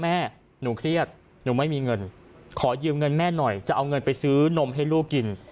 แม่หนูเครียดหนูไม่มีเงินขอยืมเงินแม่หน่อยจะเอาเงินไปซื้อนมให้ลูกกิน